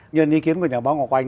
nhân ý kiến của nhà báo ngọc anh